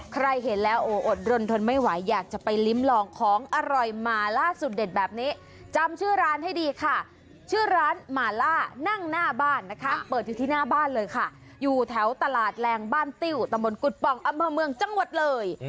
ใครเห็นแล้วโอ้อดรนทนไม่ไหวอยากจะไปลิ้มลองของอร่อยมาล่าสุดเด็ดแบบนี้จำชื่อร้านให้ดีค่ะชื่อร้านมาล่านั่งหน้าบ้านนะคะเปิดอยู่ที่หน้าบ้านเลยค่ะอยู่แถวตลาดแรงบ้านติ้วตะมนตกุฎป่องอำเภอเมืองจังหวัดเลย